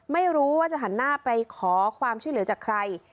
ไม่รู้ว่าจะหันหน้าไปขอความช่วยเหลือจากใคร